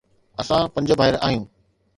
اسان پنج ڀائر آهيون.